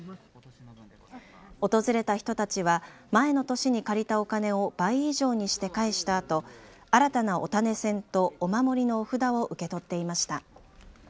訪れた人たちは前の年に借りたお金を倍以上にして返したあと新たなお種銭とお守りのお札を受け取っていました。